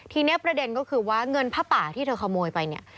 ทีนี้ประเด็นก็คือว่าเงินผ้าป่าที่เธอขโมยไปเนี่ย